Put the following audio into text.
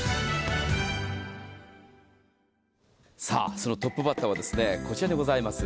そのトップバッターはこちらでございます。